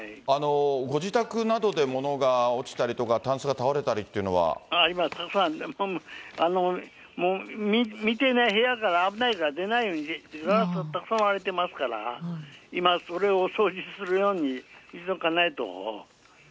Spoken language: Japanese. ご自宅などでものが落ちたりとかタンスが倒れたりというのは今、たくさん、見てない、部屋から、危ないから出ないように、たくさん割れてますから、今それを掃除するように、急がないと。